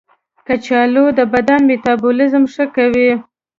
کچالو د بدن میتابولیزم ښه کوي.